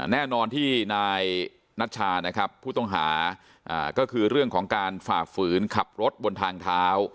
แน่นอนที่นายนัชชานะครับผู้ต้องหาก็คือเรื่องของการฝ่าฝืนขับรถบนทางเท้า